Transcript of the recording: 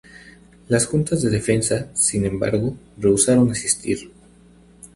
Las Juntas de Defensa, sin embargo, rehusaron asistir.